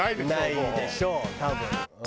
ないでしょう多分。